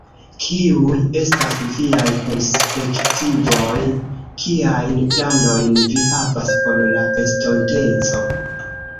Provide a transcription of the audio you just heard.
Kiuj estas viaj perspektivoj, kiajn planojn vi havas por la estonteco?